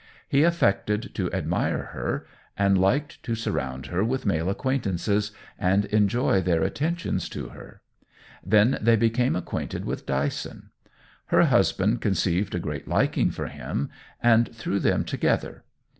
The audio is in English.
He affected to admire her, and liked to surround her with male acquaintances, and enjoy their attentions to her. Then they became acquainted with Dyson. Her husband conceived a great liking for him, and threw them together.